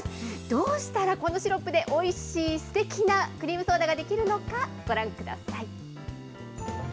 どうしたらこのシロップでおいしいすてきなクリームソーダが出来るのかご覧ください。